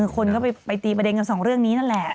คนก็ไปตีประเด็นกันสองเรื่องนี้นั่นแหละ